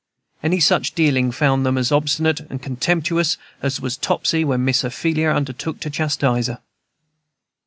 Any such dealing found them as obstinate and contemptuous as was Topsy when Miss Ophelia undertook to chastise her.